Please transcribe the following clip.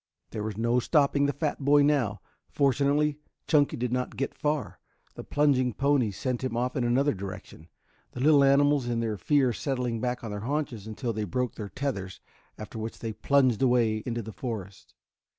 There was no stopping the fat boy now. Fortunately Chunky did not get far. The plunging ponies sent him off in another direction, the little animals in their fear settling back on their haunches until they broke their tethers, after which they plunged away into the forest.